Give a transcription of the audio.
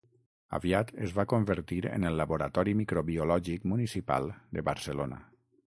Aviat es va convertir en el Laboratori Microbiològic Municipal de Barcelona.